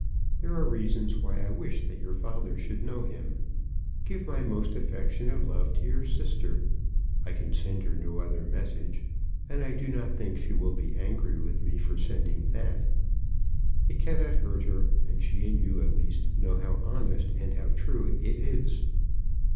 There are reasons why I wish that your father should know him. Give my most affectionate love to your sister. I can send her no other message, and I do not think she will be angry with me for sending that. It cannot hurt her; and she and you at least know how honest and how true it is.